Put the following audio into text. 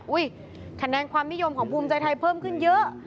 คะแนนความนิยมของภูมิใจไทยเพิ่มขึ้นเยอะ